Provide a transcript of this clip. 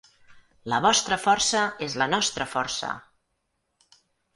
La vostra força és la nostra força!